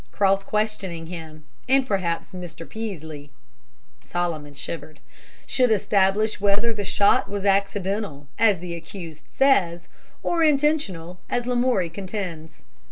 Cross questioning him, and perhaps Mr. Peaslee," Solomon shivered, "should establish whether the shot was accidental, as the accused says, or intentional, as Lamoury contends.